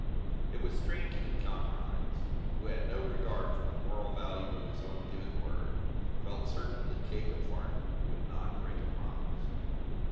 It was strange that John Rhinds, who had no regard for the moral value of his own given word, felt certain that Jacob Farnum would not break a promise.